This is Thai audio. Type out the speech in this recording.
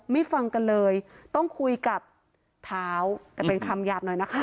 ฟังกันเลยต้องคุยกับเท้าแต่เป็นคำหยาบหน่อยนะคะ